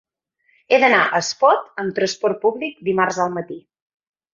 He d'anar a Espot amb trasport públic dimarts al matí.